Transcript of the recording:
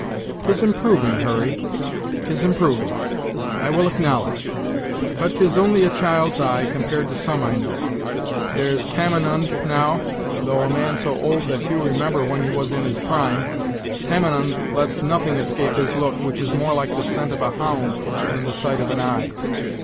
"'Tis improving, Hurry 'tis improving I will acknowledge; but 'tis only a child's eye, compared to some I know. There's Tamenund, now, though a man so old that few remember when he was in his prime, Tamenund lets nothing escape his look, which is more like the scent of a hound than the sight of an eye.